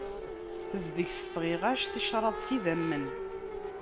Tezdeg s tɣiɣact, ticṛad s idammen.